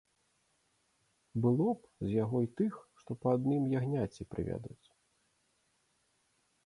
Было б з яго й тых, што па адным ягняці прывядуць.